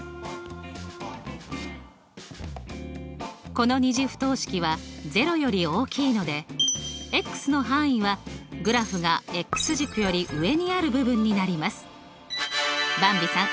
この２次不等式は０より大きいのでの範囲はグラフが軸より上にある部ばんびさん